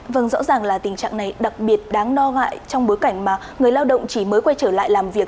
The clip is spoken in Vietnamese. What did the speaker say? vâng rõ ràng là tình trạng này đặc biệt đáng lo ngại trong bối cảnh mà người lao động chỉ mới quay trở lại làm việc